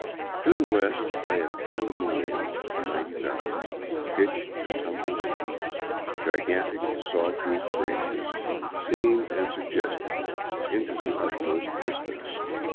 To the west lay a pandemonium of mighty valleys, pitched and tumbled peaks, gigantic saw toothed ranges, seen and suggested into the uttermost distance.